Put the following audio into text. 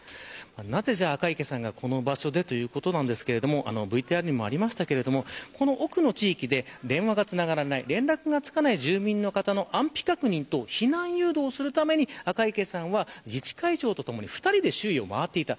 なぜ赤池さんがこの場所でということなんですがＶＴＲにもありましたがこの奥の地域で電話がつながらない連絡がつかない住民の方の安否確認と避難誘導をするために赤池さんは自治会長と共に２人で周囲を回っていた。